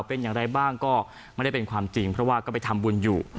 เป็นอย่างไรบ้างก็ไม่ได้เป็นความจริงเพราะว่าก็ไปทำบุญอยู่